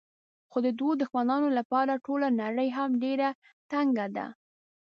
خو د دوو دښمنانو لپاره ټوله نړۍ هم ډېره تنګه ده.